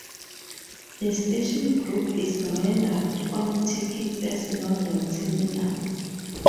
The station group is rendered on tickets as "London Terminals".